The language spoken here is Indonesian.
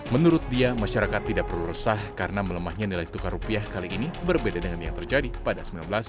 menurut dia masyarakat tidak perlu resah karena melemahnya nilai tukar rupiah kali ini berbeda dengan yang terjadi pada seribu sembilan ratus sembilan puluh